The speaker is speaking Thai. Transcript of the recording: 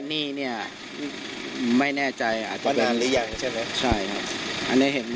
นี่เนี้ยไม่แน่ใจอาจจะเป็นว่านานหรือยังใช่ไหมใช่อันนี้เห็น